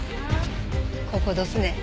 ここどすえ。